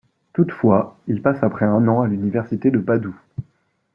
Toutefois, il passe après un an à l'université de Padoue.